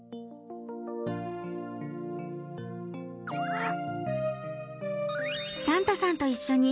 あっ。